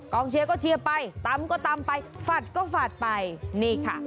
เชียร์ก็เชียร์ไปตำก็ตำไปฝัดก็ฝาดไปนี่ค่ะ